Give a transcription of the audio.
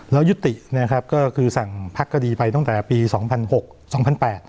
แล้วยุตินะครับก็คือสั่งพักคดีไปตั้งแต่ปีสองพันหกสองพันแปด